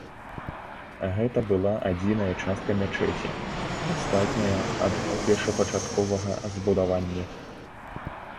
Гэта была адзіная частка мячэці, астатняя ад першапачатковага збудаванні.